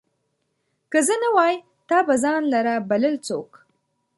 که زه نه وای، تا به ځان لره بلل څوک